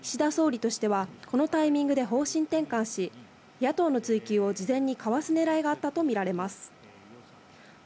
野党がこの問題を追及する構えだったことから岸田総理としてはこのタイミングで方針転換し、野党の追及を事前にかわすねらいがあったとみられます。